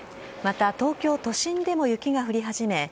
また、東京都心でも雪が降り始め